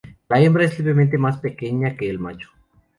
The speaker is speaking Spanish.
La hembra es levemente más pequeña en que el macho.